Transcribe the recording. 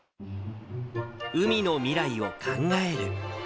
海の未来を考える。